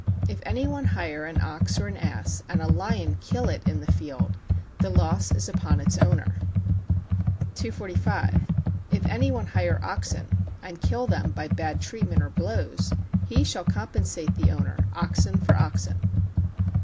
If any one hire an ox or an ass, and a lion kill it in the field, the loss is upon its owner. 245. If any one hire oxen, and kill them by bad treatment or blows, he shall compensate the owner, oxen for oxen.